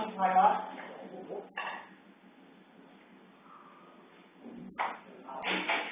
ทราบ